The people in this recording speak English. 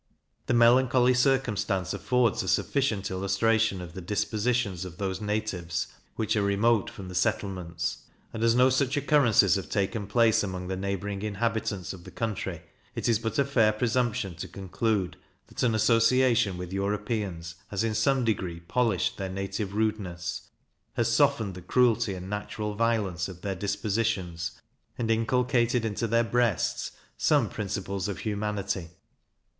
This melancholy circumstance affords a sufficient illustration of the dispositions of those natives which are remote from the settlements; and as no such occurrences have taken place amongst the neighbouring inhabitants of the country, it is but a fair presumption to conclude, that an association with Europeans has in some degree polished their native rudeness, has softened the cruelty and natural violence of their dispositions, and inculcated into their breasts some principles of humanity.